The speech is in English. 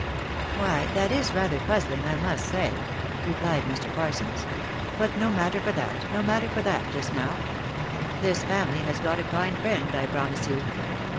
Why, that is rather puzzling, I must say," replied Mr. Parsons, " but no matter for that, no matter for that, just now. This family have got a kind friend, I promise you."